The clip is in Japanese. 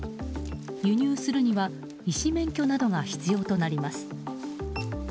輸入するには医師免許などが必要となります。